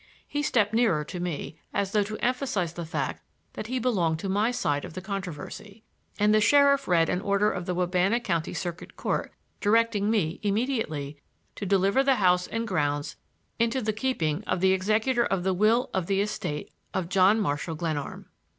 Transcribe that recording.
He stepped nearer to me, as though to emphasize the fact that he belonged to my side of the controversy, and the sheriff read an order of the Wabana County Circuit Court directing me, immediately, to deliver the house and grounds into the keeping of the executor of the will of the estate of John Marshall Glenarm.